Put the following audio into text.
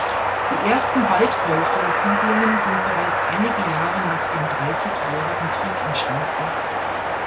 Die ersten Waldhäusler-Siedlungen sind bereits einige Jahre nach dem Dreißigjährigen Krieg entstanden.